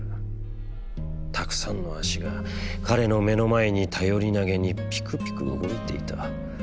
たくさんの足が彼の目の前に頼りなげにぴくぴく動いていた。